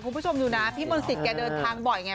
คุณผู้ชมดูนะพี่มนต์สิทธิแกเดินทางบ่อยไง